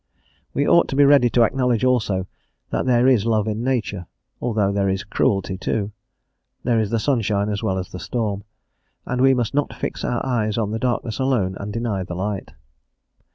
We ought to be ready to acknowledge, also, that there is love in nature, although there is cruelty too; there is the sunshine as well as the storm, and we must not fix our eyes on the darkness alone and deny the light.